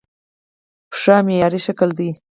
پښه معیاري شکل دی.